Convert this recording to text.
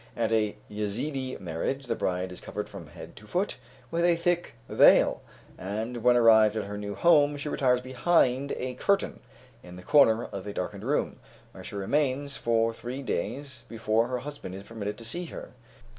At a Yezedee marriage, the bride is covered from head to foot with a thick veil, and when arrived at her new home, she retires behind a curtain in the corner of a darkened room, where she remains for three days before her husband is permitted to see her.